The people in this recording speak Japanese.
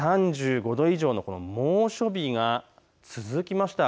３５度以上の猛暑日が続きました。